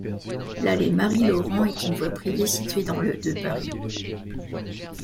L'allée Marie-Laurent est une voie privée située dans le de Paris.